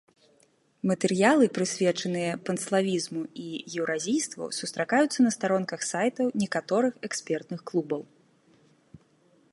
Матэрыялы, прысвечаныя панславізму і еўразійству, сустракаюцца на старонках сайтаў некаторых экспертных клубаў.